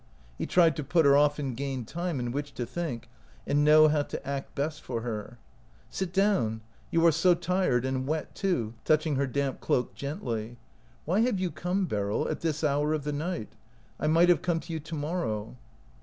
He tried to put her off and gain time in which to think, and know how to act best for her. 156 OUT OF BOHEMIA " Sit down ; you are so tired, and wet too/' touching her damp cloak gently. " Why have you come, Beryl, at this hour of the night? I might have come to you to mor row."